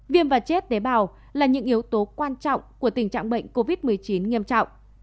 viêm và chết tế bào là những yếu tố quan trọng của tình trạng bệnh covid một mươi chín nghiêm trọng